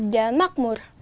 di jal makmur